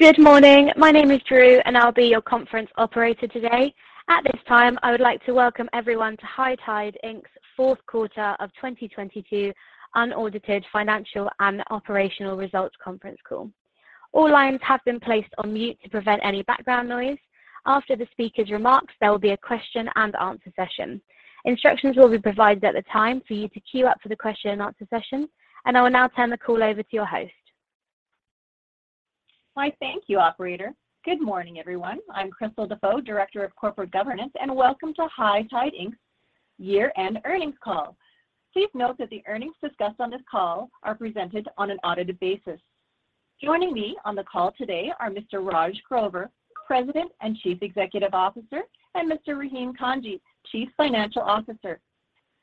Good morning. My name is Drew, I'll be your conference operator today. At this time, I would like to welcome everyone to High Tide Inc.'s fourth quarter of 2022 unaudited financial and operational results conference call. All lines have been placed on mute to prevent any background noise. After the speaker's remarks, there will be a question and answer session. Instructions will be provided at the time for you to queue up for the question and answer session, I will now turn the call over to your host. Why thank you, operator. Good morning, everyone. I'm Krystal Dafoe, Director of Corporate Governance, and welcome to High Tide Inc.'s year-end earnings call. Please note that the earnings discussed on this call are presented on an audited basis. Joining me on the call today are Mr. Raj Grover, President and Chief Executive Officer, and Mr. Rahim Kanji, Chief Financial Officer.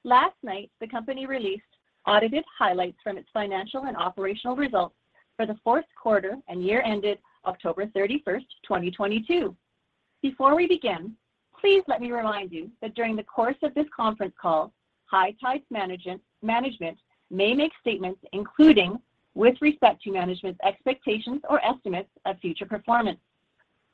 Last night, the company released audited highlights from its financial, and operational results for the fourth quarter, and year-ended October 31st, 2022. Before we begin, please let me remind you that during the course of this conference call, High Tide's management may make statements, including with respect to management's expectations or estimates of future performance.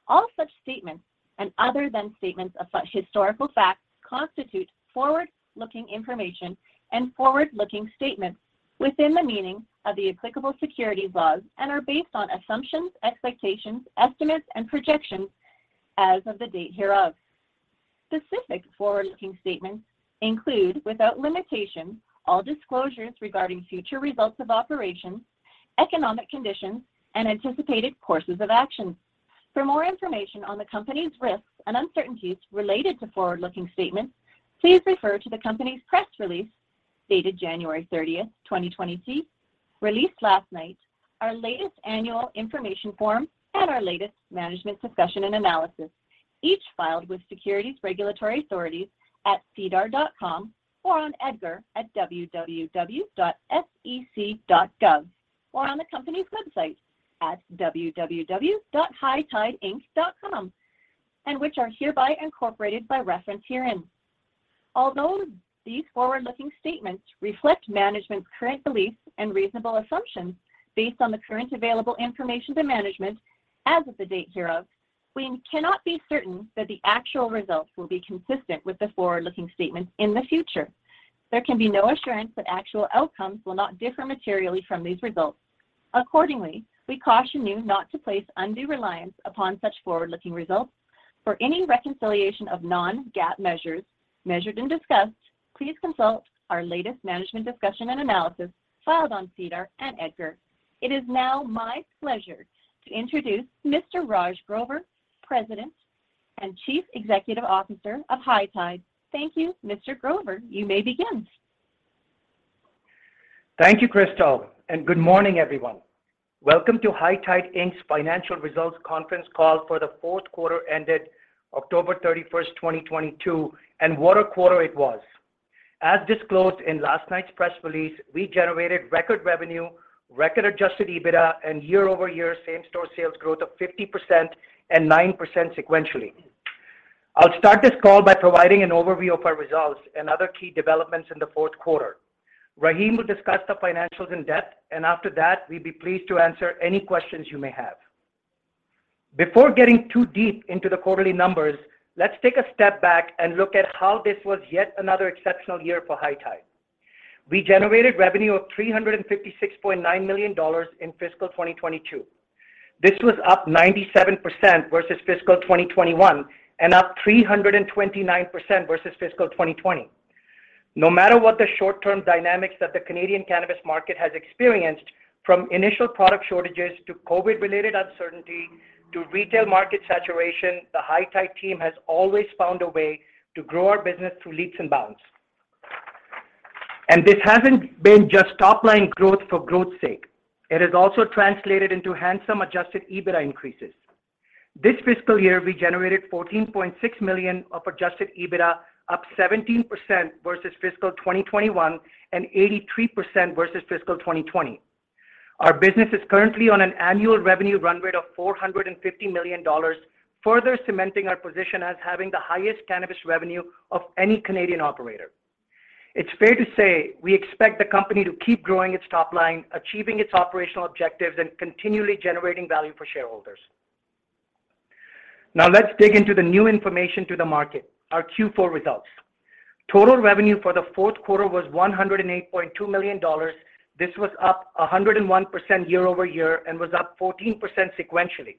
All such statements and other than statements of historical facts constitute forward-looking information, and forward-looking statements within the meaning of the applicable securities laws and are based on assumptions, expectations, estimates, and projections as of the date hereof. Specific forward-looking statements include, without limitation, all disclosures regarding future results of operations, economic conditions, and anticipated courses of action. For more information on the company's risks, and uncertainties related to forward-looking statements, please refer to the company's press release dated January 30, 2022, released last night, our latest annual information form, and our latest management discussion and analysis, each filed with securities regulatory authorities at SEDAR or on EDGAR at www.sec.gov or on the company's website at www.high tideinc.com and which are hereby incorporated by reference herein. Although these forward-looking statements reflect management's current beliefs, and reasonable assumptions based on the current available information to management as of the date hereof, we cannot be certain that the actual results will be consistent with the forward-looking statements in the future. There can be no assurance that actual outcomes will not differ materially from these results. We caution you not to place undue reliance upon such forward-looking results. For any reconciliation of non-GAAP measures, measured, and discussed, please consult our latest management discussion and analysis filed on SEDAR and EDGAR. It is now my pleasure to introduce Mr. Raj Grover, President and Chief Executive Officer of High Tide. Thank you. Mr. Grover, you may begin. Thank you, Krystal, and good morning, everyone. Welcome to High Tide Inc.'s financial results conference call for the fourth quarter ended October 31, 2022, and what a quarter it was. As disclosed in last night's press release, we generated record revenue, record Adjusted EBITDA, and year-over-year same-store sales growth of 50% and 9% sequentially. I'll start this call by providing an overview of our results and other key developments in the fourth quarter. Rahim will discuss the financials in-depth, and after that, we'd be pleased to answer any questions you may have. Before getting too deep into the quarterly numbers, let's take a step back and look at how this was yet another exceptional year for High Tide. We generated revenue of 356.9 million dollars in fiscal 2022. This was up 97% versus fiscal 2021 and up 329% versus fiscal 2020. No matter what the short-term dynamics that the Canadian cannabis market has experienced, from initial product shortages to COVID-related uncertainty to retail market saturation, the High Tide team has always found a way to grow our business through leaps and bounds. This hasn't been just top-line growth for growth's sake. It has also translated into handsome Adjusted EBITDA increases. This fiscal year, we generated 14.6 million of Adjusted EBITDA, up 17% versus fiscal 2021 and 83% versus fiscal 2020. Our business is currently on an annual revenue run rate of 450 million dollars, further cementing our position as having the highest cannabis revenue of any Canadian operator. It's fair to say we expect the company to keep growing its top line, achieving its operational objectives, and continually generating value for shareholders. Let's dig into the new information to the market, our Q4 results. Total revenue for the fourth quarter was 108.2 million dollars. This was up 101% year-over-year and was up 14% sequentially.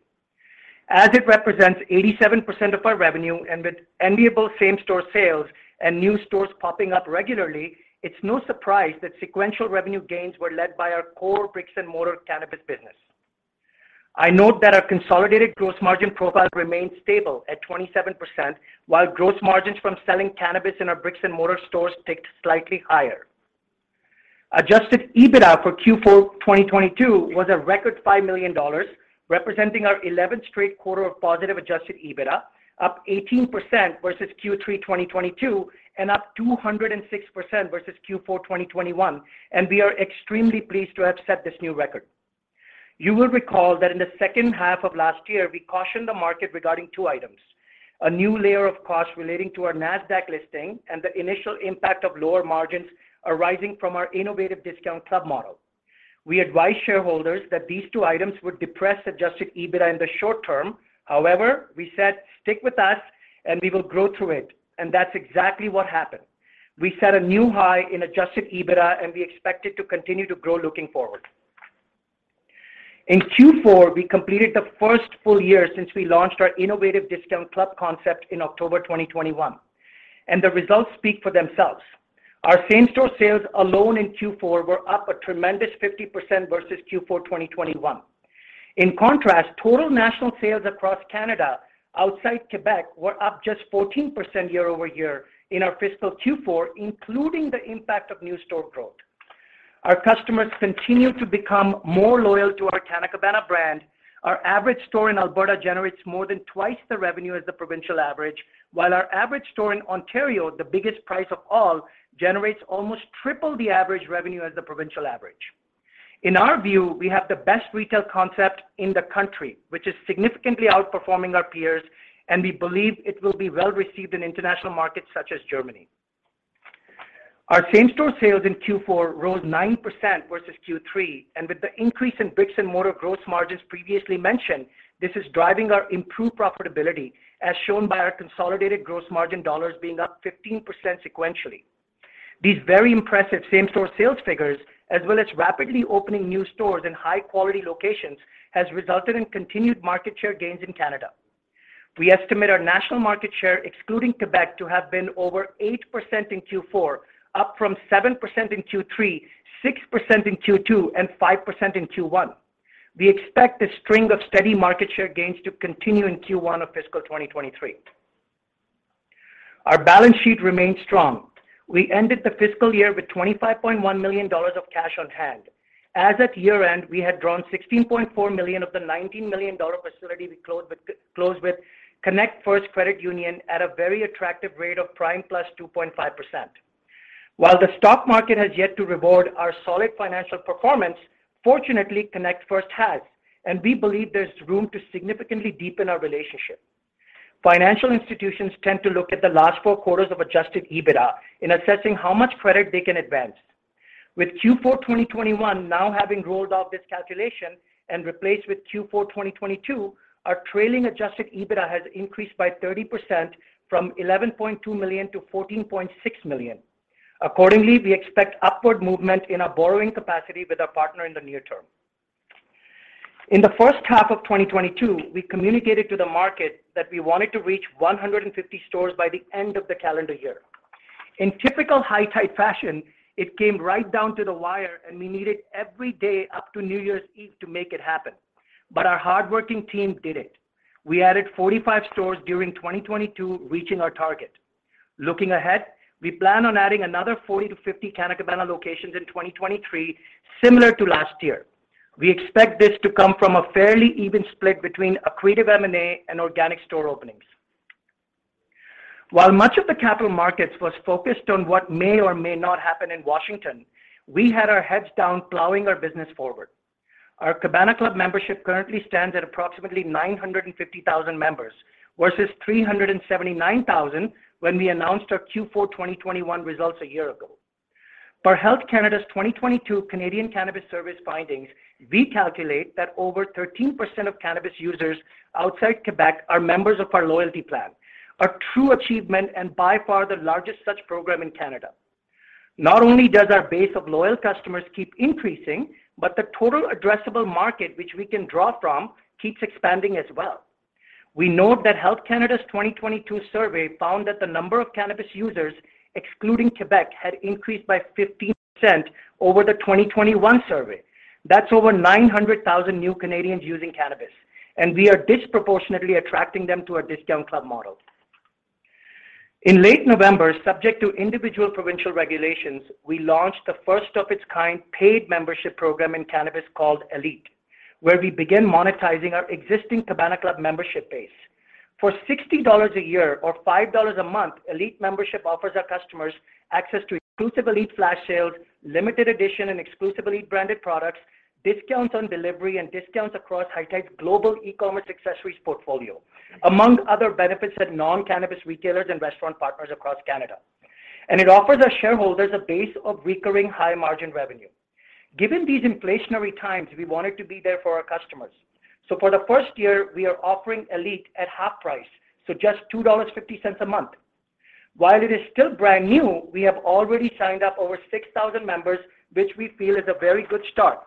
It represents 87% of our revenue, and with enviable same-store sales, and new stores popping up regularly, it's no surprise that sequential revenue gains were led by our core bricks, and mortar cannabis business. I note that our consolidated gross margin profile remains stable at 27%, while gross margins from selling cannabis in our bricks and mortar stores ticked slightly higher. Adjusted EBITDA for Q4 2022 was a record $5 million, representing our eleventh straight quarter of positive Adjusted EBITDA, up 18% versus Q3 2022 and up 206% versus Q4 2021, and we are extremely pleased to have set this new record. You will recall that in the second half of last year, we cautioned the market regarding two items. A new layer of cost relating to our Nasdaq listing and the initial impact of lower margins arising from our innovative discount club model. We advise shareholders that these two items would depress Adjusted EBITDA in the short term. However, we said, "Stick with us and we will grow through it," and that's exactly what happened. We set a new high in Adjusted EBITDA, and we expect it to continue to grow looking forward. In Q4, we completed the first full year since we launched our innovative discount club concept in October 2021, and the results speak for themselves. Our same-store sales alone in Q4 were up a tremendous 50% versus Q4 2021. In contrast, total national sales across Canada outside Quebec were up just 14% year-over-year in our fiscal Q4, including the impact of new store growth. Our customers continue to become more loyal to our Canna Cabana brand. Our average store in Alberta generates more than twice the revenue as the provincial average, while our average store in Ontario, the biggest price of all, generates almost triple the average revenue as the provincial average. In our view, we have the best retail concept in the country, which is significantly outperforming our peers, and we believe it will be well-received in international markets such as Germany. Our same-store sales in Q4 rose 9% versus Q3. With the increase in bricks, and mortar gross margins previously mentioned, this is driving our improved profitability, as shown by our consolidated gross margin dollars being up 15% sequentially. These very impressive same-store sales figures, as well as rapidly opening new stores in high-quality locations, has resulted in continued market share gains in Canada. We estimate our national market share, excluding Quebec, to have been over 8% in Q4, up from 7% in Q3, 6% in Q2, and 5% in Q1. We expect this string of steady market share gains to continue in Q1 of fiscal 2023. Our balance sheet remains strong. We ended the fiscal year with 25.1 million dollars of cash on hand. As at year-end, we had drawn 16.4 million of the 19 million dollar facility we closed with Connect First Credit Union at a very attractive rate of prime + 2.5%. While the stock market has yet to reward our solid financial performance, fortunately, Connect First has, and we believe there's room to significantly deepen our relationship. Financial institutions tend to look at the last four quarters of Adjusted EBITDA in assessing how much credit they can advance. With Q4 2021 now having rolled off this calculation, and replaced with Q4 2022, our trailing Adjusted EBITDA has increased by 30% from 11.2 million to 14.6 million. Accordingly, we expect upward movement in our borrowing capacity with our partner in the near term. In the first half of 2022, we communicated to the market that we wanted to reach 150 stores by the end of the calendar year. In typical High Tide fashion, it came right down to the wire, and we needed every day up to New Year's Eve to make it happen. Our hardworking team did it. We added 45 stores during 2022, reaching our target. Looking ahead, we plan on adding another 40 to 50 Canna Cabana locations in 2023, similar to last year. We expect this to come from a fairly even split between accretive M&A and organic store openings. While much of the capital markets was focused on what may or may not happen in Washington, we had our heads down plowing our business forward. Our Cabana Club membership currently stands at approximately 950,000 members versus 379,000 when we announced our Q4 2021 results a year ago. Per Health Canada's 2022 Canadian Cannabis Survey findings, we calculate that over 13% of cannabis users outside Quebec are members of our loyalty plan, a true achievement and by far the largest such program in Canada. Not only does our base of loyal customers keep increasing, but the total addressable market which we can draw from keeps expanding as well. We note that Health Canada's 2022 survey found that the number of cannabis users, excluding Quebec, had increased by 15% over the 2021 survey. That's over 900,000 new Canadians using cannabis, and we are disproportionately attracting them to our discount club model. In late November, subject to individual provincial regulations, we launched the first of its kind paid membership program in cannabis called ELITE, where we begin monetizing our existing Cabana Club membership base. For 60 dollars a year or 5 dollars a month, ELITE membership offers our customers access to exclusive ELITE flash sales, limited edition and exclusive ELITE branded products, discounts on delivery, and discounts across High Tide's global e-commerce accessories portfolio, among other benefits at non-cannabis retailers and restaurant partners across Canada. It offers our shareholders a base of recurring high-margin revenue. Given these inflationary times, we wanted to be there for our customers. For the first year, we are offering ELITE at half price, so just 2.50 dollars a month. While it is still brand new, we have already signed up over 6,000 members, which we feel is a very good start.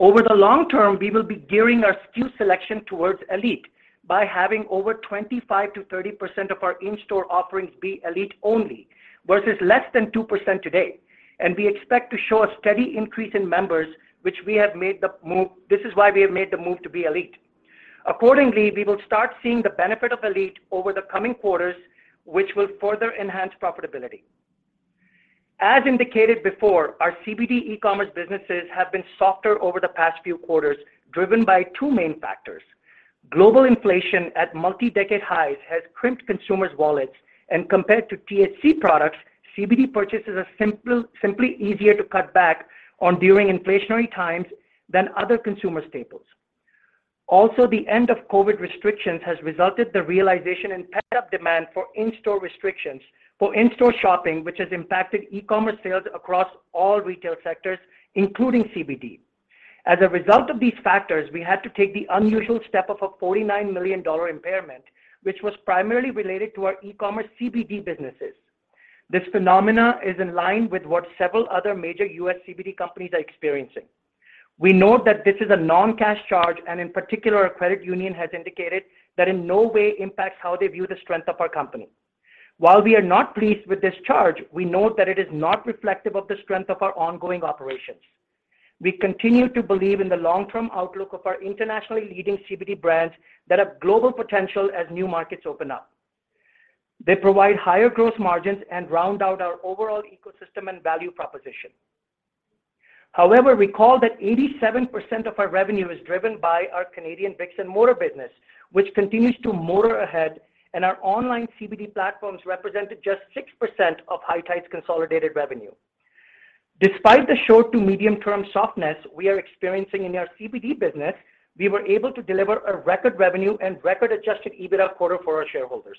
Over the long term, we will be gearing our SKU selection towards Elite by having over 25%-30% of our in-store offerings be Elite only, versus less than 2% today. We expect to show a steady increase in members, which we have made the move to be Elite. Accordingly, we will start seeing the benefit of Elite over the coming quarters, which will further enhance profitability. As indicated before, our CBD e-commerce businesses have been softer over the past few quarters, driven by two main factors. Global inflation at multi-decade highs has crimped consumers' wallets. Compared to THC products, CBD purchases are simply easier to cut back on during inflationary times than other consumer staples. The end of COVID restrictions has resulted the realization in pent-up demand for in-store shopping, which has impacted e-commerce sales across all retail sectors, including CBD. As a result of these factors, we had to take the unusual step of a $49 million impairment, which was primarily related to our e-commerce CBD businesses. This phenomena is in line with what several other major U.S. CBD companies are experiencing. We know that this is a non-cash charge, in particular, our credit union has indicated that in no way impacts how they view the strength of our company. While we are not pleased with this charge, we note that it is not reflective of the strength of our ongoing operations. We continue to believe in the long-term outlook of our internationally leading CBD brands that have global potential as new markets open up. They provide higher gross margins and round out our overall ecosystem and value proposition. Recall that 87% of our revenue is driven by our Canadian bricks-and-mortar business, which continues to motor ahead, and our online CBD platforms represented just 6% of High Tide's consolidated revenue. Despite the short to medium-term softness we are experiencing in our CBD business, we were able to deliver a record revenue and record Adjusted EBITDA quarter for our shareholders.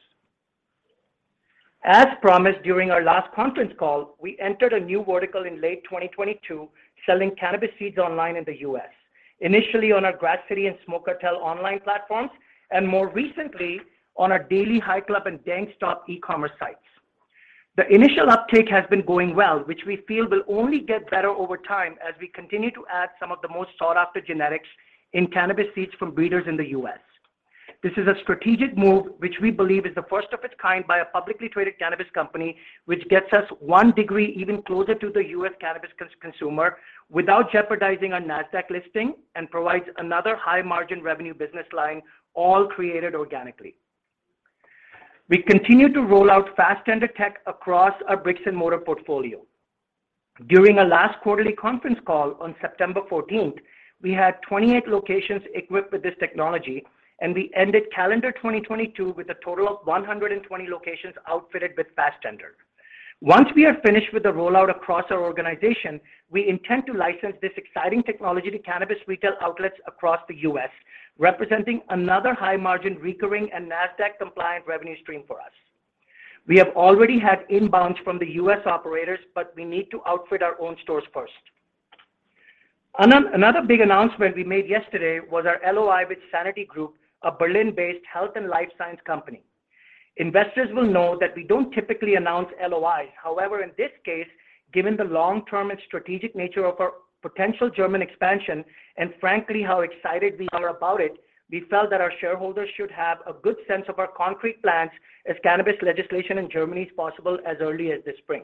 As promised during our las conference call, we entered a new vertical in late 2022, selling cannabis seeds online in the U.S. Initially on our Grasscity and Smoke Cartel online platforms, and more recently on our Daily High Club and DankStop e-commerce sites. The initial uptake has been going well, which we feel will only get better over time as we continue to add some of the most sought-after genetics in cannabis seeds from breeders in the U.S. This is a strategic move which we believe is the first of its kind by a publicly traded cannabis company, which gets us one degree even closer to the U.S. cannabis consumer without jeopardizing our Nasdaq listing and provides another high-margin revenue business line all created organically. We continue to roll out Fastendr tech across our bricks, and mortar portfolio. During our last quarterly conference call on September 14th, we had 28 locations equipped with this technology, and we ended calendar 2022 with a total of 120 locations outfitted with Fastendr. Once we are finished with the rollout across our organization, we intend to license this exciting technology to cannabis retail outlets across the U.S., representing another high-margin recurring and Nasdaq-compliant revenue stream for us. We have already had inbounds from the U.S. operators, but we need to outfit our own stores first. Another big announcement we made yesterday was our LOI with Sanity Group, a Berlin-based health and life science company. Investors will know that we don't typically announce LOIs. However, in this case, given the long-term and strategic nature of our potential German expansion and frankly how excited we are about it, we felt that our shareholders should have a good sense of our concrete plans as cannabis legislation in Germany is possible as early as this spring.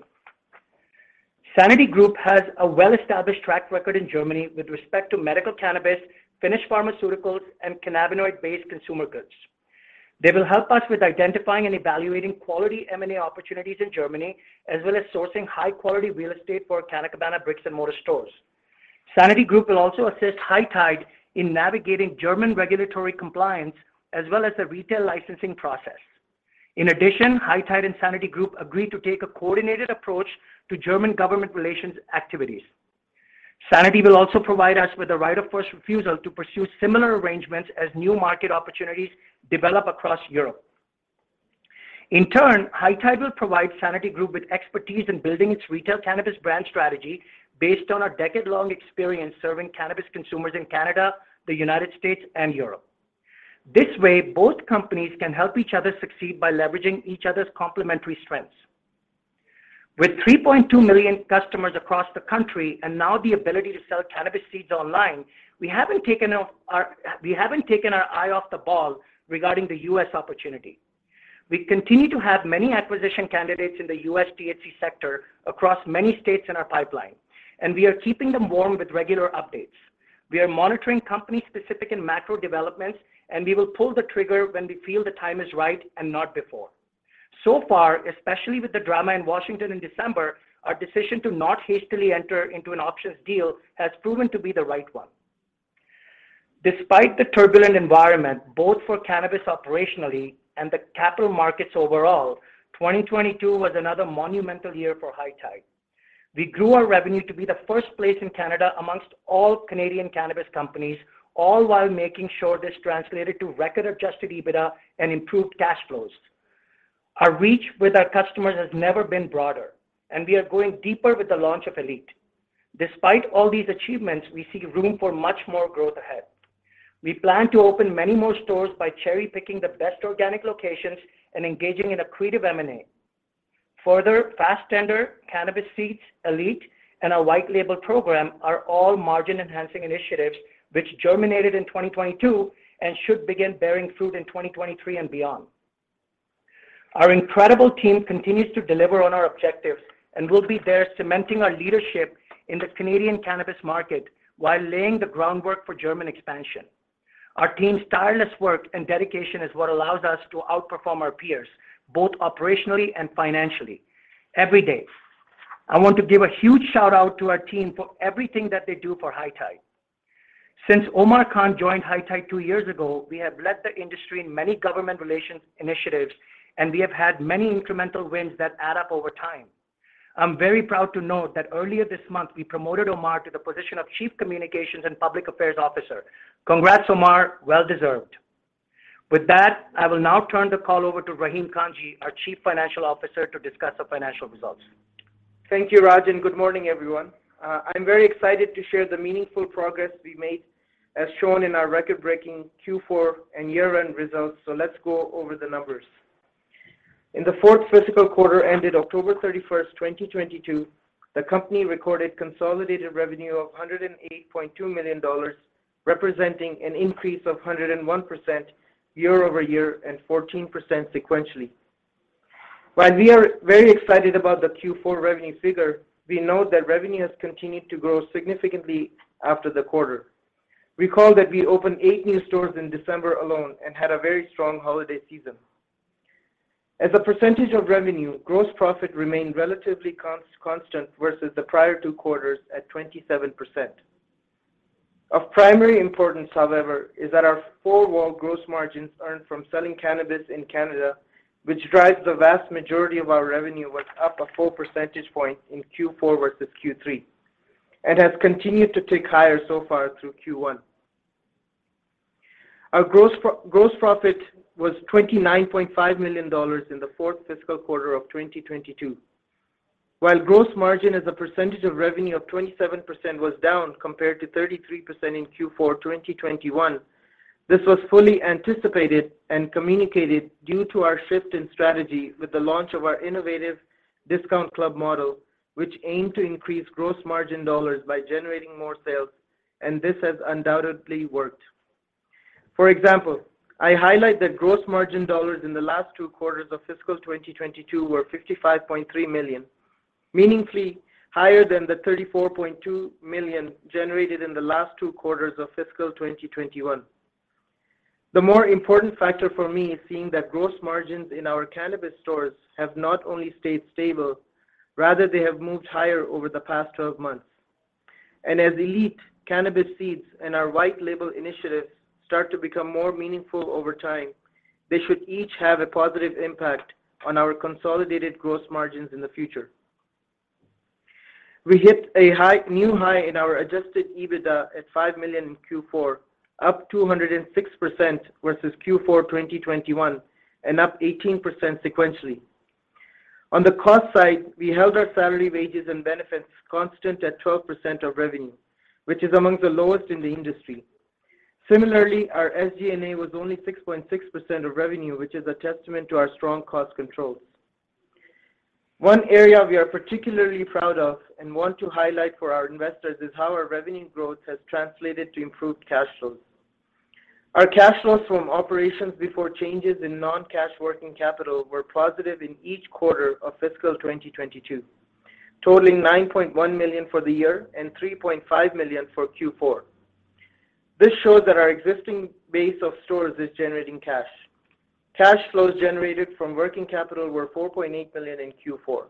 Sanity Group has a well-established track record in Germany with respect to medical cannabis, finished pharmaceuticals, and cannabinoid-based consumer goods. They will help us with identifying and evaluating quality M&A opportunities in Germany, as well as sourcing high-quality real estate for our Canna Cabana bricks and mortar stores. Sanity Group will also assist High Tide in navigating German regulatory compliance as well as the retail licensing process. High Tide and Sanity Group agreed to take a coordinated approach to German government relations activities. Sanity will also provide us with a right of first refusal to pursue similar arrangements as new market opportunities develop across Europe. High Tide will provide Sanity Group with expertise in building its retail cannabis brand strategy based on our decade-long experience serving cannabis consumers in Canada, the United States, and Europe. This way, both companies can help each other succeed by leveraging each other's complementary strengths. With 3.2 million customers across the country, and now the ability to sell cannabis seeds online, we haven't taken our eye off the ball regarding the U.S. opportunity. We continue to have many acquisition candidates in the U.S. THC sector across many states in our pipeline, and we are keeping them warm with regular updates. We are monitoring company-specific and macro developments, and we will pull the trigger when we feel the time is right and not before. Far, especially with the drama in Washington in December, our decision to not hastily enter into an options deal has proven to be the right one. Despite the turbulent environment, both for cannabis operationally and the capital markets overall, 2022 was another monumental year for High Tide. We grew our revenue to be the first place in Canada amongst all Canadian cannabis companies, all while making sure this translated to record Adjusted EBITDA and improved cash flows. We are going deeper with the launch of ELITE. Despite all these achievements, we see room for much more growth ahead. We plan to open many more stores by cherry-picking the best organic locations, and engaging in accretive M&A. Further, Fastendr, cannabis seeds, ELITE, and our white label program are all margin-enhancing initiatives which germinated in 2022 and should begin bearing fruit in 2023 and beyond. Our incredible team continues to deliver on our objectives, and will be there cementing our leadership in the Canadian cannabis market while laying the groundwork for German expansion. Our team's tireless work and dedication is what allows us to outperform our peers, both operationally and financially every day. I want to give a huge shout-out to our team for everything that they do for High Tide. Since Omar Khan joined High Tide two years ago, we have led the industry in many government relations initiatives, and we have had many incremental wins that add up over time. I'm very proud to note that earlier this month, we promoted Omar to the position of Chief Communications and Public Affairs Officer. Congrats, Omar. Well deserved. With that, I will now turn the call over to Rahim Kanji, our Chief Financial Officer, to discuss the financial results. Thank you, Raj, and good morning, everyone. I'm very excited to share the meaningful progress we made as shown in our record-breaking Q4 and year-end results, let's go over the numbers. In the fourth fiscal quarter ended October 31, 2022, the company recorded consolidated revenue of 108.2 million dollars, representing an increase of 101% year-over-year and 14% sequentially. While we are very excited about the Q4 revenue figure, we know that revenue has continued to grow significantly after the quarter. Recall that we opened 8 new stores in December alone and had a very strong holiday season. As a percentage of revenue, gross profit remained relatively constant versus the prior two quarters at 27%. Of primary importance, however, is that our four-wall gross margins earned from selling cannabis in Canada, which drives the vast majority of our revenue, was up a full percentage point in Q4 versus Q3, and has continued to tick higher so far through Q1. Our gross profit was 29.5 million dollars in the fourth fiscal quarter of 2022. While gross margin as a percentage of revenue of 27% was down compared to 33% in Q4 2021, this was fully anticipated and communicated due to our shift in strategy with the launch of our innovative discount club model, which aimed to increase gross margin dollars by generating more sales, and this has undoubtedly worked. For example, I highlight that gross margin dollars in the last two quarters of fiscal 2022 were $55.3 million, meaningfully higher than the $34.2 million generated in the last two quarters of fiscal 2021. The more important factor for me is seeing that gross margins in our cannabis stores have not only stayed stable, rather they have moved higher over the past 12 months. As ELITE cannabis seeds and our white label initiatives start to become more meaningful over time, they should each have a positive impact on our consolidated gross margins in the future. We hit a new high in our Adjusted EBITDA at $5 million in Q4, up 206% versus Q4 2021 and up 18% sequentially. The cost side, we held our salary, wages, and benefits constant at 12% of revenue, which is among the lowest in the industry. Our SG&A was only 6.6% of revenue, which is a testament to our strong cost controls. One area we are particularly proud of and want to highlight for our investors is how our revenue growth has translated to improved cash flows. Our cash flows from operations before changes in non-cash working capital were positive in each quarter of fiscal 2022, totaling 9.1 million for the year and 3.5 million for Q4. This shows that our existing base of stores is generating cash. Cash flows generated from working capital were 4.8 million in Q4.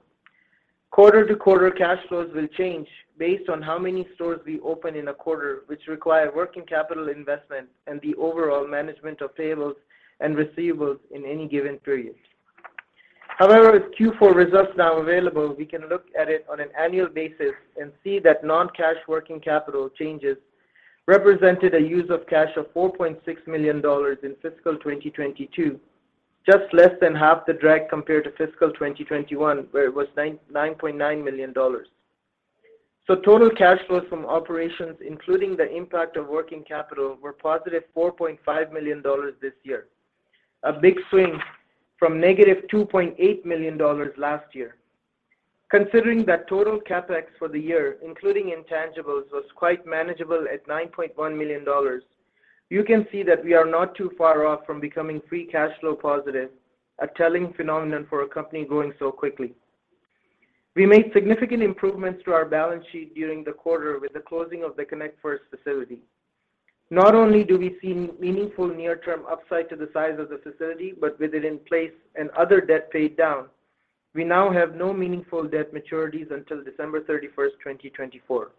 Quarter-to-quarter cash flows will change based on how many stores we open in a quarter, which require working capital investment and the overall management of payables and receivables in any given period. With Q4 results now available, we can look at it on an annual basis and see that non-cash working capital changes represented a use of cash of 4.6 million dollars in fiscal 2022, just less than half the drag compared to fiscal 2021, where it was 9.9 million dollars. Total cash flows from operations, including the impact of working capital, were positive 4.5 million dollars this year, a big swing from negative 2.8 million dollars last year. Considering that total CapEx for the year, including intangibles, was quite manageable at 9.1 million dollars, you can see that we are not too far off from becoming free cash flow positive, a telling phenomenon for a company growing so quickly. We made significant improvements to our balance sheet during the quarter with the closing of the connect First facility. Not only do we see meaningful near-term upside to the size of the facility, but with it in place and other debt paid down, we now have no meaningful debt maturities until December 31, 2024,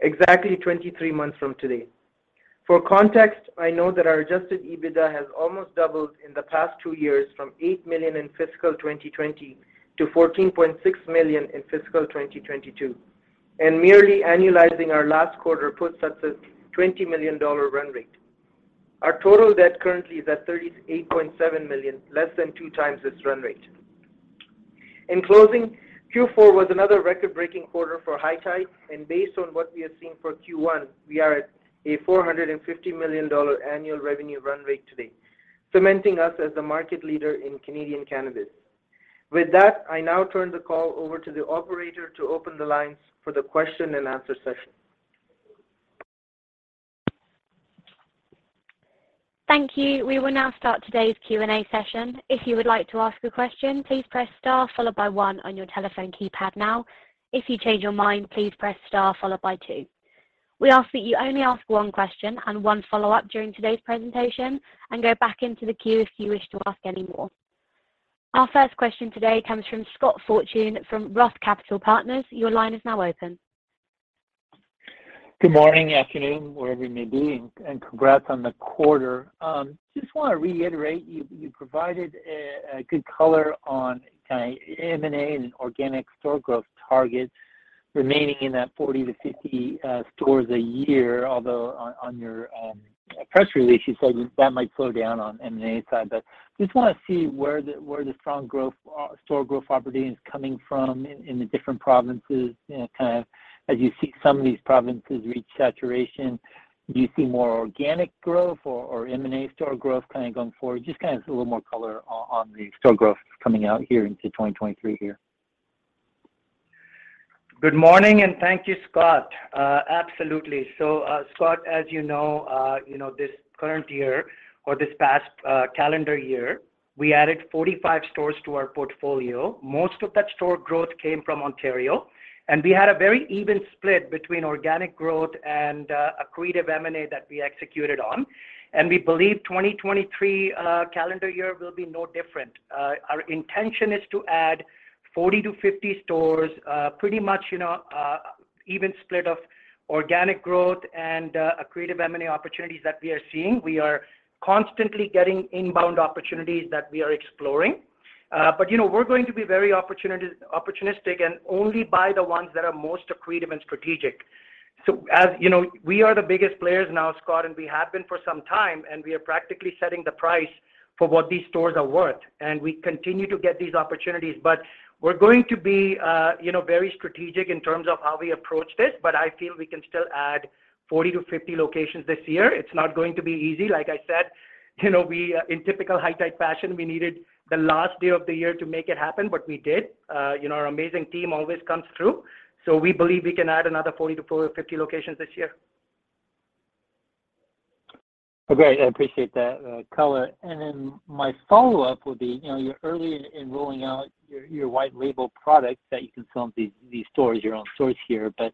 exactly 23 months from today. For context, I know that our Adjusted EBITDA has almost doubled in the past two years from 8 million in fiscal 2020 to 14.6 million in fiscal 2022, and merely annualizing our last quarter puts us at 20 million dollar run rate. Our total debt currently is at 38.7 million, less than 2x this run rate. In closing, Q4 was another record-breaking quarter for High Tide, and based on what we are seeing for Q1, we are at a 450 million dollar annual revenue run rate today, cementing us as the market leader in Canadian cannabis. With that, I now turn the call over to the operator to open the lines for the question and answer session. Thank you. We will now start today's Q&A session. If you would like to ask a question, please press star followed by one on your telephone keypad now. If you change your mind, please press star followed by two. We ask that you only ask one question, and one follow-up during today's presentation and go back into the queue if you wish to ask any moreOur first question today comes from Scott Fortune from ROTH Capital Partners. Your line is now open. Good morning, afternoon, wherever you may be, and congrats on the quarter. Just want to reiterate, you provided a good color on kind of M&A and organic store growth targets remaining in that 40-50 stores a year. On your press release, you said that might slow down on M&A side. Just want to see where the strong growth store growth opportunity is coming from in the different provinces. You know, kind of as you see some of these provinces reach saturation, do you see more organic growth or M&A store growth kind of going forward? Just kind of a little more color on the store growth coming out here into 2023 here. Good morning. Thank you, Scott. Absolutely. Scott, as you know, this current year or this past calendar year, we added 45 stores to our portfolio. Most of that store growth came from Ontario, we had a very even split between organic growth and accretive M&A that we executed on. We believe 2023 calendar year will be no different. Our intention is to add 40 to 50 stores, pretty much, you know, even split of organic growth and accretive M&A opportunities that we are seeing. We are constantly getting inbound opportunities that we are exploring. You know, we're going to be very opportunistic and only buy the ones that are most accretive and strategic. As... You know, we are the biggest players now, Scott. We have been for some time. We are practically setting the price for what these stores are worth. We continue to get these opportunities, but we're going to be, you know, very strategic in terms of how we approach this. I feel we can still add 40-50 locations this year. It's not going to be easy. Like I said, you know, we, in typical High Tide fashion, we needed the last day of the year to make it happen, but we did. You know, our amazing team always comes through. We believe we can add another 40-450 locations this year. Great. I appreciate that color. My follow-up would be, you know, you're early in rolling out your white label products that you can sell in these stores, your own stores here. Can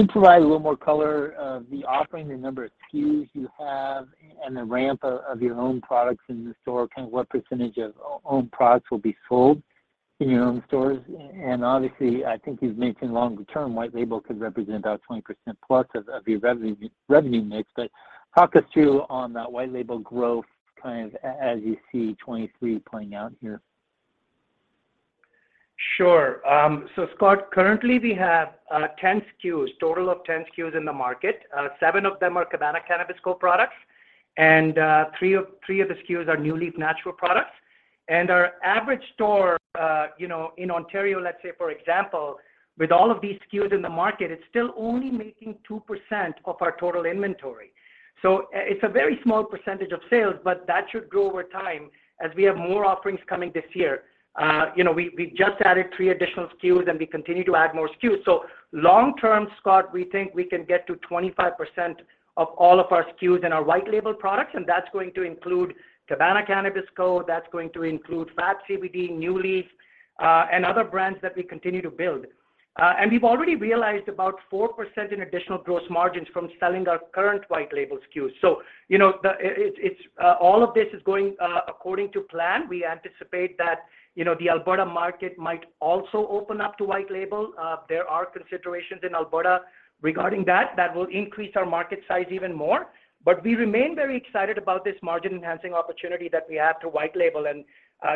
you provide a little more color of the offering, the number of SKUs you have and the ramp of your own products in the store? Kind of what percentage of own products will be sold in your own stores? Obviously, I think you've mentioned longer term white label could represent about 20% plus of your revenue mix. Talk us through on that white label growth kind of as you see 2023 playing out here. Sure. Scott, currently we have 10 SKUs, total of 10 SKUs in the market. seven of them are Cabana Cannabis Co. products, and three of the SKUs are NuLeaf Naturals products. Our average store, you know, in Ontario, let's say for example, with all of these SKUs in the market, it's still only making 2% of our total inventory. It's a very small percentage of sales, but that should grow over time as we have more offerings coming this year. You know, we just added three additional SKUs. We continue to add more SKUs. Long term, Scott, we think we can get to 25% of all of our SKUs in our white label products, and that's going to include Cabana Cannabis Co., that's going to include FAB CBD, NuLeaf, and other brands that we continue to build. We've already realized about 4% in additional gross margins from selling our current white label SKUs. You know, it's all of this is going according to plan. We anticipate that, you know, the Alberta market might also open up to white label. There are considerations in Alberta regarding that will increase our market size even more. We remain very excited about this margin-enhancing opportunity that we have to white label, and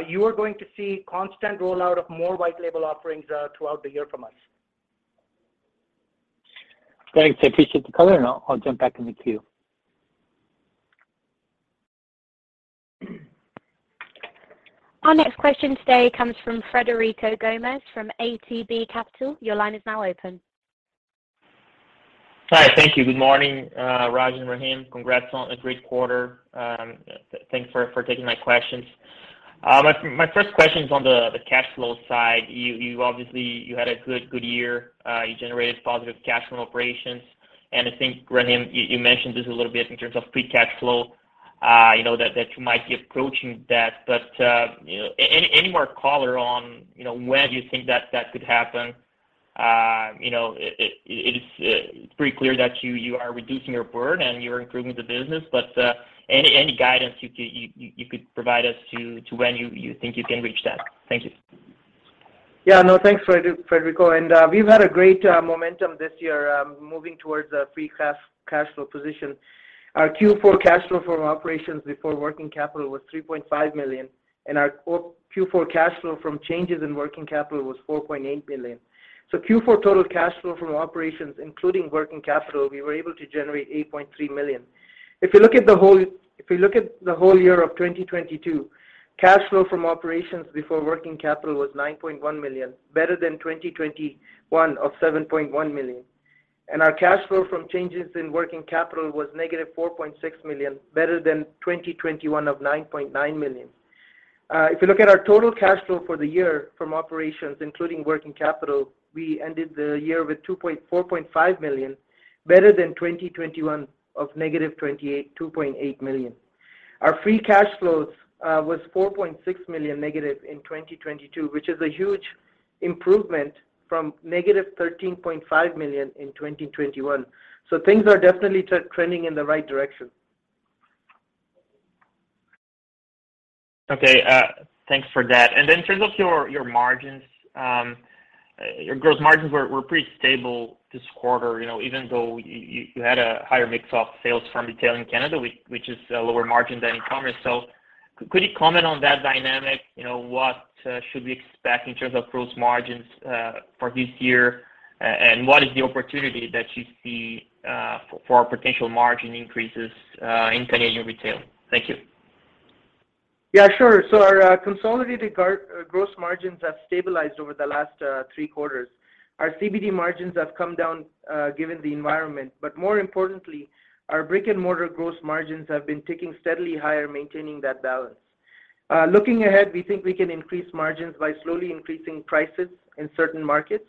you are going to see constant rollout of more white label offerings throughout the year from us. Thanks. I appreciate the color, and I'll jump back in the queue. Our next question today comes from Frederico Gomes from ATB Capital. Your line is now open. Hi. Thank you. Good morning, Raj and Rahim. Congrats on a great quarter. Thanks for taking my questions. My first question is on the cash flow side. You obviously had a good year. You generated positive cash from operations, and I think, Rahim, you mentioned this a little bit in terms of free cash flow, you know, that you might be approaching that. You know, any more color on, you know, when you think that could happen? You know, it is pretty clear that you are reducing your burden and you're improving the business, but any guidance you could provide us to when you think you can reach that? Thank you. Yeah. No, thanks, Federico. We've had a great momentum this year, moving towards a free cash flow position. Our Q4 cash flow from operations before working capital was $3.5 million. Our Q4 cash flow from changes in working capital was $4.8 million. Q4 total cash flow from operations, including working capital, we were able to generate $8.3 million. If you look at the whole year of 2022, cash flow from operations before working capital was $9.1 million, better than 2021 of $7.1 million. Our cash flow from changes in working capital was negative $4.6 million, better than 2021 of $9.9 million. If you look at our total cash flow for the year from operations, including working capital, we ended the year with 4.5 million, better than 2021 of negative 28, 2.8 million. Our free cash flows was 4.6 million negative in 2022, which is a huge improvement from negative 13.5 million in 2021. Things are definitely trending in the right direction. Okay, thanks for that. In terms of your margins, your growth margins were pretty stable this quarter, you know, even though you had a higher mix of sales from retail in Canada, which is a lower margin than e-commerce. Could you comment on that dynamic? You know, what should we expect in terms of growth margins for this year? What is the opportunity that you see for our potential margin increases in Canadian retail? Thank you. Yeah, sure. Our consolidated gross margins have stabilized over the last 3 quarters. Our CBD margins have come down given the environment. More importantly, our brick-and-mortar gross margins have been ticking steadily higher, maintaining that balance. Looking ahead, we think we can increase margins by slowly increasing prices in certain markets,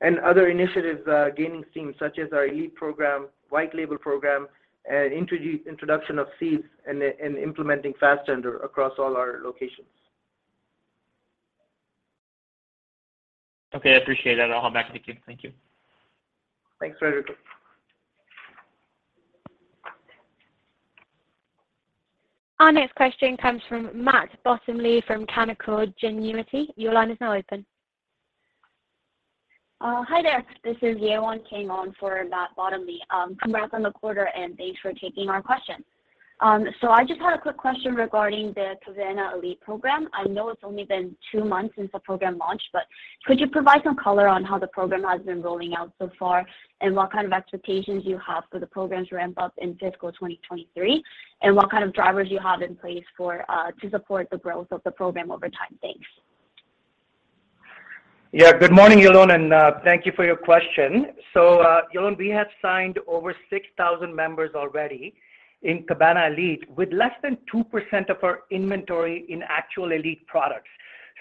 and other initiatives gaining steam, such as our ELITE program, white label program, and introduction of seeds and implementing Fastendr across all our locations. Okay. I appreciate that. I'll hop back to the queue. Thank you. Thanks, Rodrigo. Our next question comes from Matt Bottomley from Canaccord Genuity. Your line is now open. Hi there. This is Yewon came on for Matt Bottomley. Congrats on the quarter, thanks for taking our questions. I just had a quick question regarding the Cabana ELITE program. I know it's only been two months since the program launched, could you provide some color on how the program has been rolling out so far, what kind of expectations you have for the program to ramp up in fiscal 2023, and what kind of drivers you have in place to support the growth of the program over time? Thanks. Good morning, Yewon, and thank you for your question. Yewon, we have signed over 6,000 members already in Cabana ELITE with less than 2% of our inventory in actual ELITE products.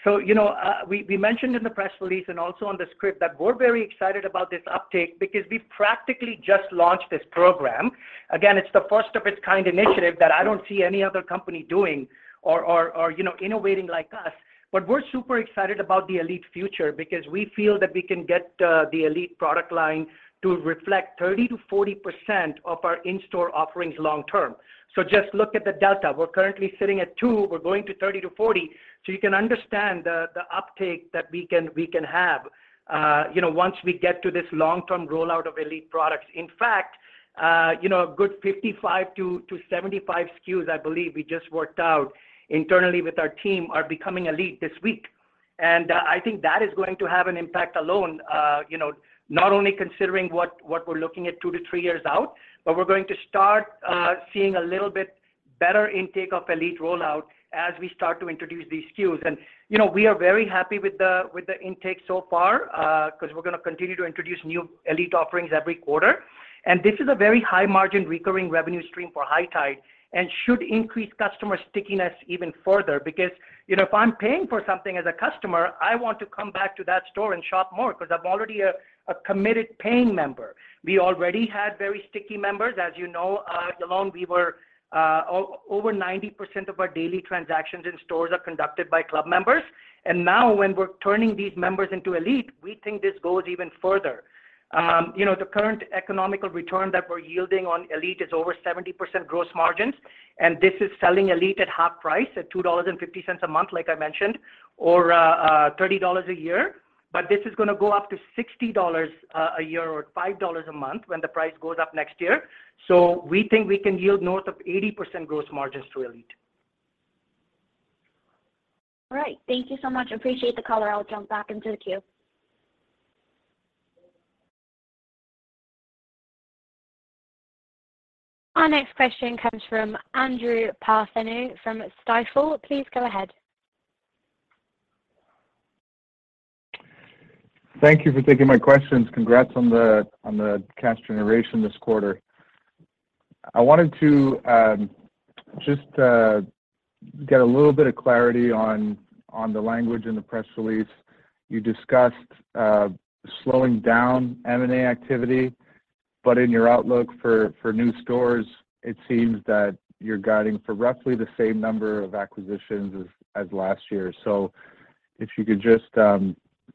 You know, we mentioned in the press release and also on the script that we're very excited about this uptake because we've practically just launched this program. Again, it's the first of its kind initiative that I don't see any other company doing or, you know, innovating like us. We're super excited about the ELITE future because we feel that we can get the ELITE product line to reflect 30%-40% of our in-store offerings long term. Just look at the delta. We're currently sitting at two, we're going to 30-40, so you can understand the uptake that we can have, you know, once we get to this long-term rollout of ELITE products. In fact, you know, a good 55-75 SKUs, I believe we just worked out internally with our team are becoming ELITE this week. I think that is going to have an impact alone, you know, not only considering what we're looking at two to three years out, but we're going to start seeing a little bit better intake of ELITE rollout as we start to introduce these SKUs. You know, we are very happy with the intake so far, 'cause we're gonna continue to introduce new ELITE offerings every quarter. This is a very high margin recurring revenue stream for High Tide and should increase customer stickiness even further. Because, you know, if I'm paying for something as a customer, I want to come back to that store and shop more 'cause I'm already a committed paying member. We already had very sticky members. As you know, Yewon, we were over 90% of our daily transactions in stores are conducted by club members. Now when we're turning these members into Elite, we think this goes even further. You know, the current economical return that we're yielding on Elite is over 70% gross margins, and this is selling Elite at half price, at 2.50 dollars a month, like I mentioned, or 30 dollars a year. This is gonna go up to 60 dollars a year or 5 dollars a month when the price goes up next year. We think we can yield north of 80% gross margins to ELITE. All right. Thank you so much. Appreciate the color. I'll jump back into the queue. Our next question comes from Andrew Partheniou from Stifel. Please go ahead. Thank you for taking my questions. Congrats on the cash generation this quarter. I wanted to just get a little bit of clarity on the language in the press release. You discussed slowing down M&A activity, but in your outlook for new stores, it seems that you're guiding for roughly the same number of acquisitions as last year. If you could just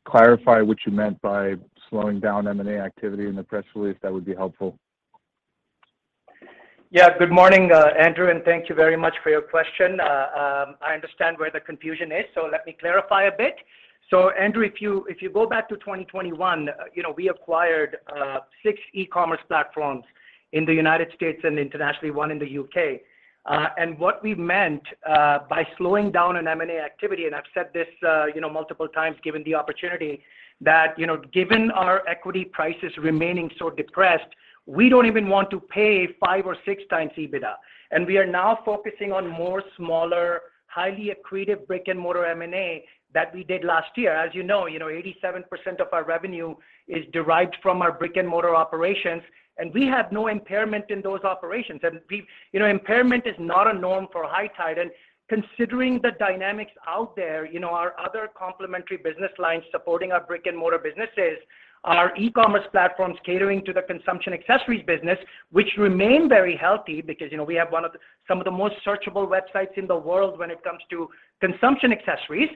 clarify what you meant by slowing down M&A activity in the press release, that would be helpful. Yeah. Good morning, Andrew, and thank you very much for your question. I understand where the confusion is, so let me clarify a bit. Andrew, if you, if you go back to 2021, you know, we acquired six e-commerce platforms in the United States and internationally, one in the UK. What we meant by slowing down on M&A activity, and I've said this, you know, multiple times, given the opportunity, that, you know, given our equity prices remaining so depressed, we don't even want to pay 5 or 6x EBITDA. We are now focusing on more smaller, highly accretive brick-and-mortar M&A that we did last year. As you know, you know, 87% of our revenue is derived from our brick-and-mortar operations, and we have no impairment in those operations. We, you know, impairment is not a norm for High Tide. Considering the dynamics out there, you know, our other complementary business lines supporting our brick-and-mortar businesses are e-commerce platforms catering to the consumption accessories business, which remain very healthy because, you know, we have some of the most searchable websites in the world when it comes to consumption accessories.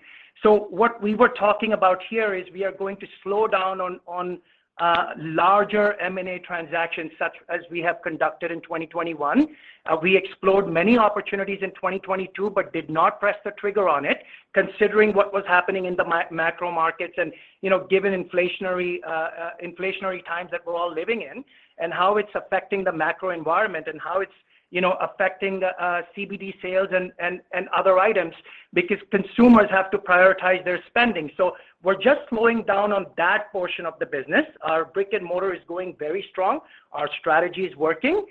What we were talking about here is we are going to slow down on larger M&A transactions such as we have conducted in 2021. We explored many opportunities in 2022, but did not press the trigger on it considering what was happening in the macro markets and, you know, given inflationary times that we're all living in and how it's affecting the macro environment and how it's, you know, affecting the CBD sales and other items because consumers have to prioritize their spending. We're just slowing down on that portion of the business. Our brick-and-mortar is going very strong. Our strategy is working.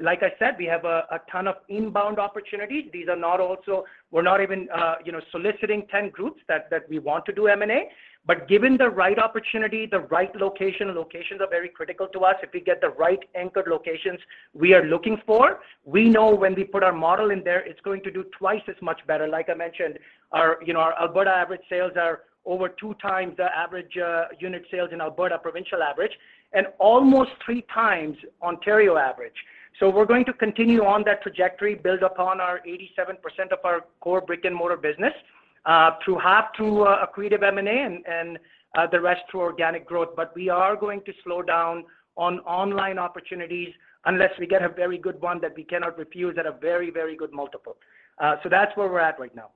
Like I said, we have a ton of inbound opportunities. We're not even, you know, soliciting 10 groups that we want to do M&A, but given the right opportunity, the right location, locations are very critical to us. If we get the right anchored locations we are looking for, we know when we put our model in there, it's going to do twice as much better. Like I mentioned, our, you know, our Alberta average sales are over 2x the average unit sales in Alberta provincial average, and almost 3x Ontario average. We're going to continue on that trajectory, build upon our 87% of our core brick-and-mortar business, through half through accretive M&A and the rest through organic growth. We are going to slow down on online opportunities unless we get a very good one that we cannot refuse at a very, very good multiple. That's where we're at right now.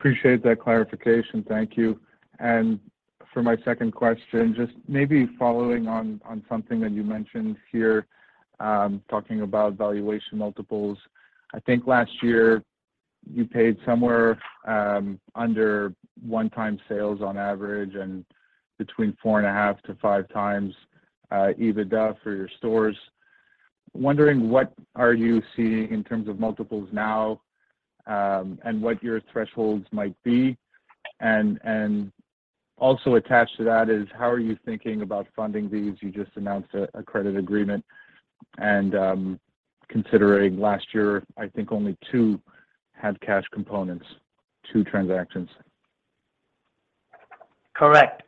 Appreciate that clarification. Thank you. For my second question, just maybe following on something that you mentioned here, talking about valuation multiples. I think last year you paid somewhere under 1x sales on average and between 4.5x-5x EBITDA for your stores. Wondering what are you seeing in terms of multiples now, and what your thresholds might be? Also attached to that is how are you thinking about funding these? You just announced a credit agreement and considering last year, I think only two had cash components, two transactions. Correct.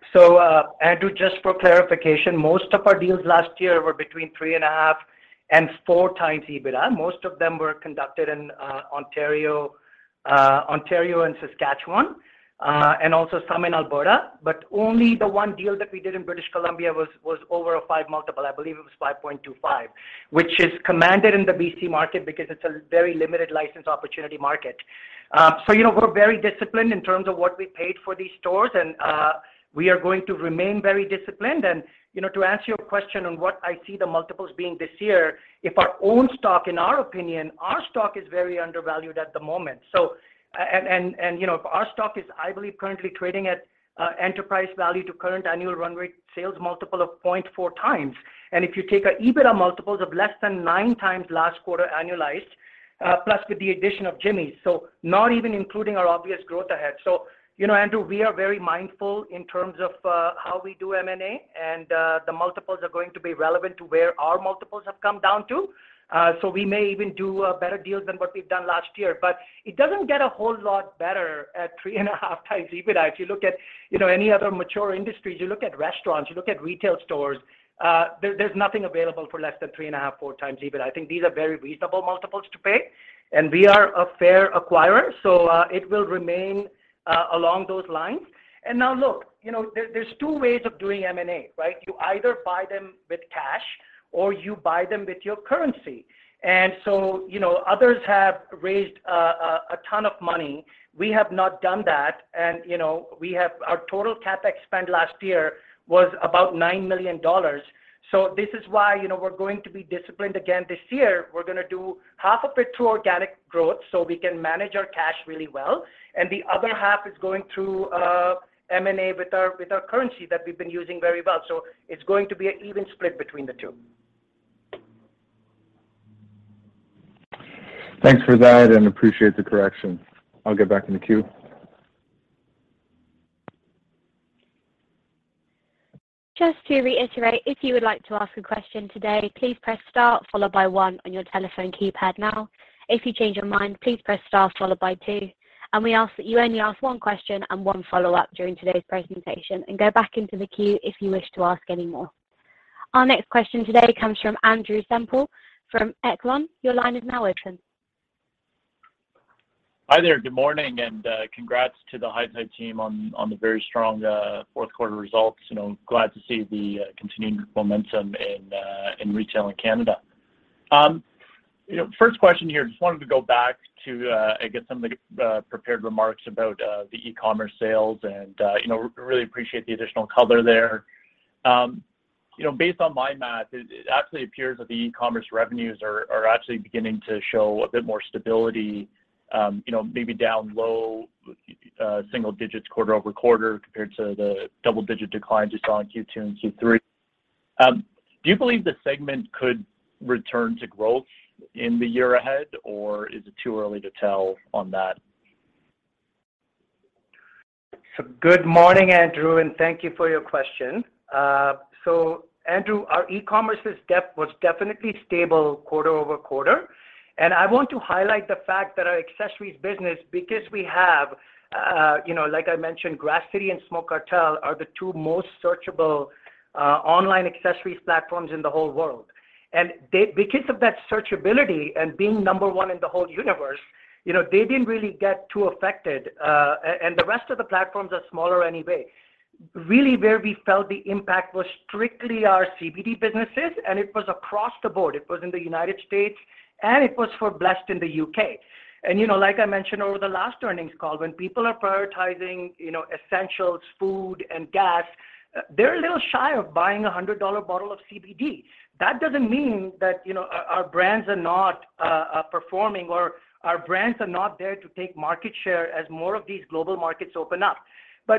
Andrew, just for clarification, most of our deals last year were between 3.5 and 4x EBITDA. Most of them were conducted in Ontario and Saskatchewan, and also some in Alberta, but only the one deal that we did in British Columbia was over a 5 multiple, I believe it was 5.25, which is commanded in the BC market because it's a very limited license opportunity market. You know, we're very disciplined in terms of what we paid for these stores and we are going to remain very disciplined. You know, to answer your question on what I see the multiples being this year, if our own stock, in our opinion, our stock is very undervalued at the moment. You know, our stock is, I believe, currently trading at enterprise value to current annual run rate sales multiple of 0.4x. If you take our EBITDA multiples of less than 9x last quarter annualized, plus with the addition of Jimmy's, so not even including our obvious growth ahead. You know, Andrew, we are very mindful in terms of how we do M&A, and the multiples are going to be relevant to where our multiples have come down to. We may even do better deals than what we've done last year, but it doesn't get a whole lot better at 3.5x EBITDA. If you look at, you know, any other mature industries, you look at restaurants, you look at retail stores, there's nothing available for less than 3.5-4x EBITDA. I think these are very reasonable multiples to pay, and we are a fair acquirer, so it will remain along those lines. Now look, you know, there's two ways of doing M&A, right? You either buy them with cash or you buy them with your currency. Others have raised a ton of money. We have not done that. You know, our total CapEx spend last year was about 9 million dollars. This is why, you know, we're going to be disciplined again this year. We're gonna do half of it through organic growth, so we can manage our cash really well, and the other half is going through M&A with our, with our currency that we've been using very well. It's going to be an even split between the two. Thanks for that and appreciate the correction. I'll get back in the queue. Just to reiterate, if you would like to ask a question today, please press star followed by one on your telephone keypad now. If you change your mind, please press star followed by two. We ask that you only ask one question, and one follow-up during today's presentation and go back into the queue if you wish to ask any more. Our next question today comes from Andrew Semple from Echelon Capital Markets. Your line is now open. Hi there. Good morning, and congrats to the High Tide team on the very strong fourth quarter results. You know, glad to see the continuing momentum in retail in Canada. You know, first question here, just wanted to go back to, I guess some of the prepared remarks about the e-commerce sales and, you know, really appreciate the additional color there. You know, based on my math, it actually appears that the e-commerce revenues are actually beginning to show a bit more stability, you know, maybe down low single digits quarter-over-quarter compared to the double-digit declines you saw in Q2 and Q3. Do you believe the segment could return to growth in the year ahead, or is it too early to tell on that? Good morning, Andrew, and thank you for your question. Andrew, our e-commerce's depth was definitely stable quarter-over-quarter. I want to highlight the fact that our accessories business, because we have, you know, like I mentioned, Grasscity and Smoke Cartel are the two most searchable online accessories platforms in the whole world. Because of that searchability and being number one in the whole universe, you know, they didn't really get too affected. And the rest of the platforms are smaller anyway. Really where we felt the impact was strictly our CBD businesses, and it was across the board. It was in the United States, and it was for Blessed in the UK. You know, like I mentioned over the last earnings call, when people are prioritizing, you know, essentials, food and gas, they're a little shy of buying a 100 dollar bottle of CBD. That doesn't mean that, you know, our brands are not performing or our brands are not there to take market share as more of these global markets open up.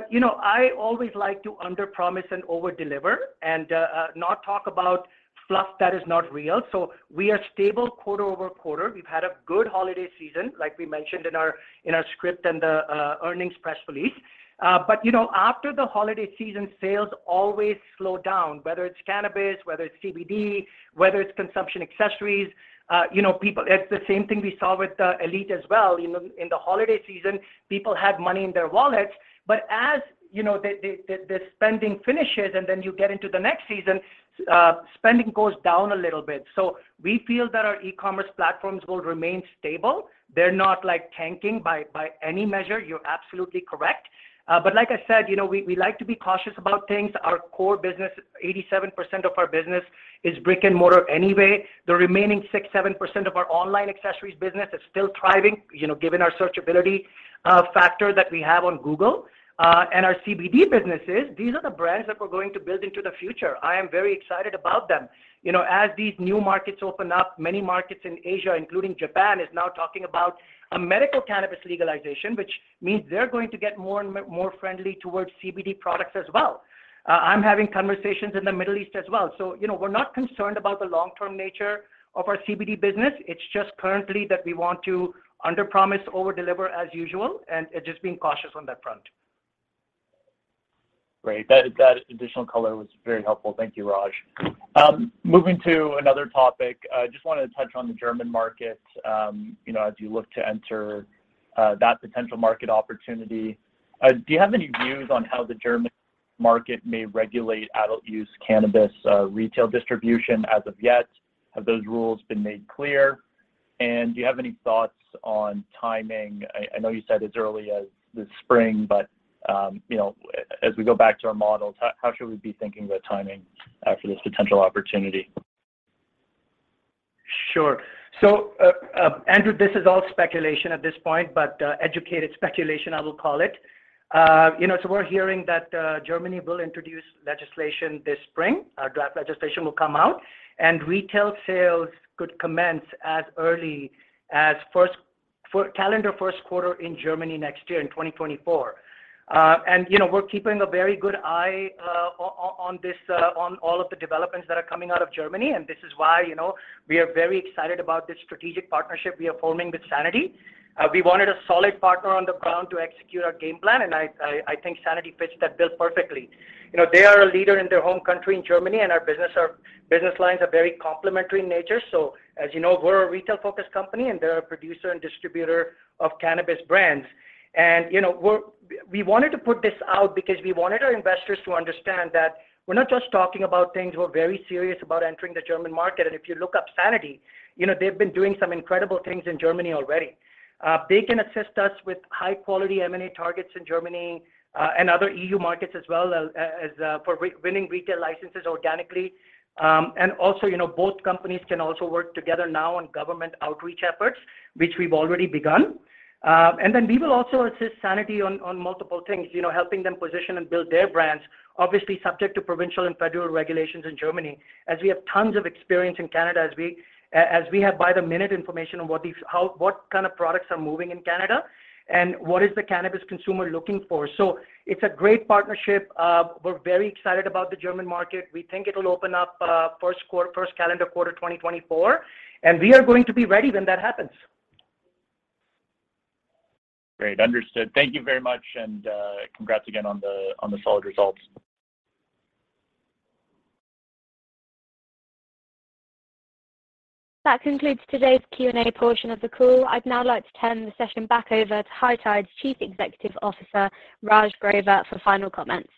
You know, I always like to under promise and overdeliver and not talk about fluff that is not real. We are stable quarter-over-quarter. We've had a good holiday season, like we mentioned in our script and the earnings press release. You know, after the holiday season, sales always slow down, whether it's cannabis, whether it's CBD, whether it's consumption accessories. You know, it's the same thing we saw with Elite as well. You know, in the holiday season, people had money in their wallets, as, you know, the spending finishes and then you get into the next season, spending goes down a little bit. We feel that our e-commerce platforms will remain stable. They're not, like, tanking by any measure. You're absolutely correct. Like I said, you know, we like to be cautious about things. Our core business, 87% of our business is brick-and-mortar anyway. The remaining 6%-7% of our online accessories business is still thriving, you know, given our searchability factor that we have on Google. Our CBD businesses, these are the brands that we're going to build into the future. I am very excited about them. You know, as these new markets open up, many markets in Asia, including Japan, is now talking about a medical cannabis legalization, which means they're going to get more and more friendly towards CBD products as well. I'm having conversations in the Middle East as well. You know, we're not concerned about the long-term nature of our CBD business. It's just currently that we want to underpromise, overdeliver as usual, and just being cautious on that front. Great. That additional color was very helpful. Thank you, Raj. Moving to another topic, I just wanted to touch on the German market, you know, as you look to enter that potential market opportunity. Do you have any views on how the German market may regulate adult use cannabis retail distribution as of yet? Have those rules been made clear? Do you have any thoughts on timing? I know you said as early as this spring, but, you know, as we go back to our models, how should we be thinking about timing for this potential opportunity? Sure. Andrew, this is all speculation at this point, but educated speculation, I will call it. You know, we're hearing that Germany will introduce legislation this spring. Draft legislation will come out, and retail sales could commence as early as calendar first quarter in Germany next year in 2024. You know, we're keeping a very good eye on all of the developments that are coming out of Germany. This is why, you know, we are very excited about this strategic partnership we are forming with Sanity. We wanted a solid partner on the ground to execute our game plan, and I think Sanity fits that bill perfectly. You know, they are a leader in their home country in Germany, and our business, our business lines are very complementary in nature. As you know, we're a retail-focused company, and they're a producer and distributor of cannabis brands. You know, we wanted to put this out because we wanted our investors to understand that we're not just talking about things. We're very serious about entering the German market. If you look up Sanity, you know, they've been doing some incredible things in Germany already. They can assist us with high-quality M&A targets in Germany, and other EU markets as well, as for winning retail licenses organically. You know, both companies can also work together now on government outreach efforts, which we've already begun. We will also assist Sanity on multiple things, you know, helping them position, and build their brands, obviously subject to provincial and federal regulations in Germany, as we have tons of experience in Canada, as we have by the minute information on what these how what kind of products are moving in Canada, and what is the cannabis consumer looking for. It's a great partnership. We're very excited about the German market. We think it'll open up first calendar quarter 2024, and we are going to be ready when that happens. Great. Understood. Thank you very much, and, congrats again on the solid results. That concludes today's Q&A portion of the call. I'd now like to turn the session back over to High Tide's Chief Executive Officer, Raj Grover, for final comments.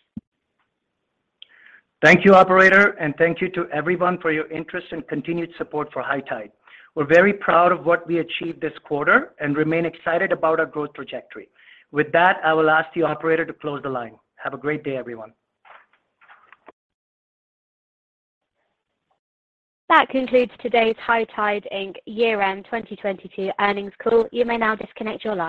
Thank you, operator, and thank you to everyone for your interest and continued support for High Tide. We're very proud of what we achieved this quarter and remain excited about our growth trajectory. With that, I will ask the operator to close the line. Have a great day, everyone. That concludes today's High Tide Inc. year-end 2022 earnings call. You may now disconnect your line.